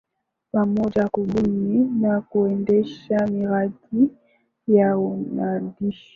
pamoja Kubuni na kuendesha miradi ya uandishi